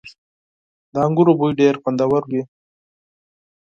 • د انګورو بوی ډېر خوندور وي.